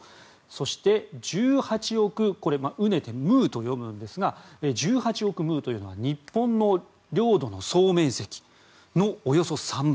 そして、１８億これは畝でムーと読むんですが１８億畝というのは日本の領土の総面積およそ３倍。